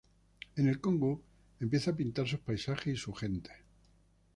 En el Congo empieza a pintar sus paisajes y sus gentes.